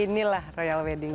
inilah royal wedding